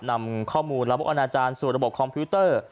นำข้อมูลระบบอนาจารย์สู่ระบบคอมพิวเตอร์